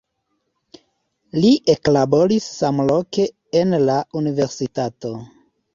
Li eklaboris samloke en la universitato.